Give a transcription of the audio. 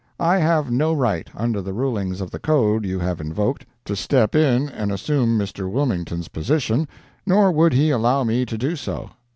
I have no right, under the rulings of the code you have invoked, to step in and assume Mr. Wilmington's position, nor would he allow me to do so.